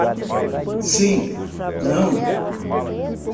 Sim não?